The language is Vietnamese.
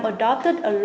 mất nhiều năng lực